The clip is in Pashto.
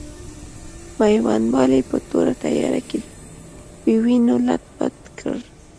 میوندوال یې په توره تیاره کې په وینو لت پت کړ.